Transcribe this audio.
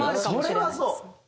それはそう！